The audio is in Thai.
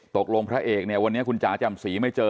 พระเอกเนี่ยวันนี้คุณจ๋าจำศรีไม่เจอ